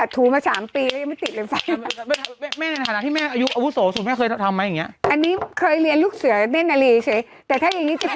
ดรจิลสูตรใหม่ดูกระจ่างใสกว่าเดิมหัวเดียวตอบโจทย์ปัญหาผิว